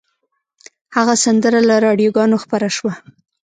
هغه سندره له راډیوګانو خپره شوه